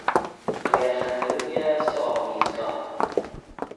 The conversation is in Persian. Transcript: و گر خنده روی است و آمیزگار